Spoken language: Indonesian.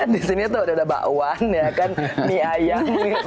di sini tuh udah ada bakwan ya kan mie ayam gitu